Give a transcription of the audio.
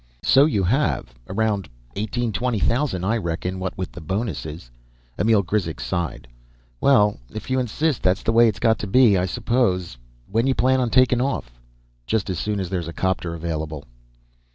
"So you have. Around eighteen, twenty thousand, I reckon, what with the bonuses." Emil Grizek sighed. "Well, if you insist, that's the way it's got to be, I suppose. When you plan on taking off?" "Just as soon as there's a 'copter available."